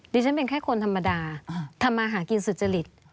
ดิฉันเป็นแค่คนธรรมดาทำมาหากินสุจริต